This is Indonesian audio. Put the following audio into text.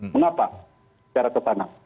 mengapa secara kesana